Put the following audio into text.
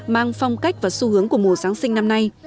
mang phong cách và xu hướng của mùa giáng sinh năm nay